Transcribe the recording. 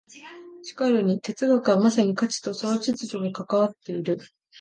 しかるに哲学はまさに価値とその秩序に関わっている。